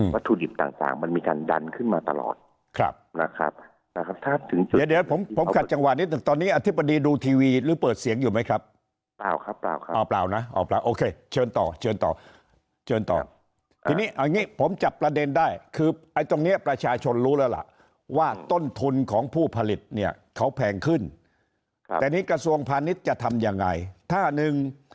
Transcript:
กระทั่งมันมีการดันขึ้นมาตลอดครับนะครับนะครับถ้าถึงเดี๋ยวเดี๋ยวผมขัดจังหวานนี้ถึงตอนนี้อธิบดีดูทีวีหรือเปิดเสียงอยู่ไหมครับเปล่าครับเปล่าครับอ่าเปล่านะอ่าเปล่าโอเคเชิญต่อเชิญต่อเชิญต่อทีนี้อันนี้ผมจับประเด็นได้คือไอ้ตรงเนี้ยประชาชนรู้แล้วล่ะว่าต้นทุนของผู้ผลิตเน